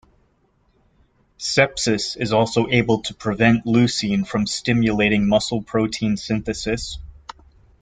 Sepsis is also able to prevent leucine from stimulating muscle protein synthesis.